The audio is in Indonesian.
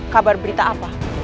kabar berita apa